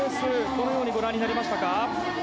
どのようにご覧になりましたか。